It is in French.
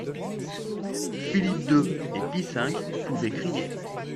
Philippe deux et Pie cinq pouvaient crier.